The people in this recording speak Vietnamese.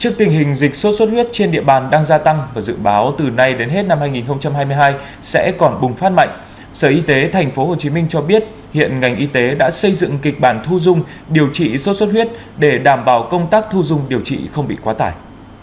trước tình hình dịch sốt xuất huyết trên địa bàn đang gia tăng và dự báo từ nay đến hết năm hai nghìn hai mươi hai sẽ còn bùng phát mạnh sở y tế tp hcm cho biết hiện ngành y tế đã xây dựng kịch bản thu dung điều trị sốt xuất huyết để đảm bảo công tác thu dung điều trị không bị quá tải